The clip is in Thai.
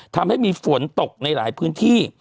ทำให้มีฝนตกในหลายพื้นที่